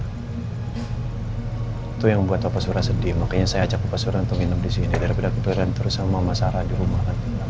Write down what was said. itu yang buat papa surah sedih makanya saya ajak papa surah untuk tidur disini daripada keberan terus sama mama sarah di rumah